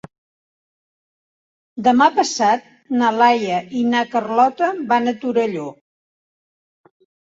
Demà passat na Laia i na Carlota van a Torelló.